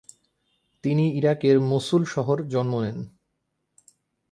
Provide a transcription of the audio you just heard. তিনি ইরাকের মসুল শহর জন্ম নেন।